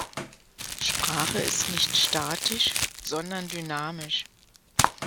Sprache ist nicht statisch, sondern dynamisch.